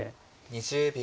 ２０秒。